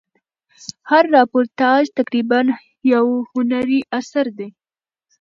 هر راپورتاژ تقریبآ یو هنري اثر دئ.